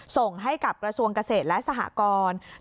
ส่งให้กับกระทรวงเกษตรและสหกร